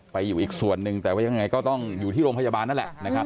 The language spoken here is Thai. ไปอยู่อีกส่วนหนึ่งแต่ว่ายังไงก็ต้องอยู่ที่โรงพยาบาลนั่นแหละนะครับ